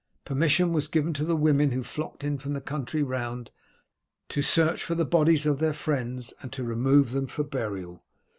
Permission was given to the women who flocked in from the country round, to search for the bodies of their friends and to remove them for burial.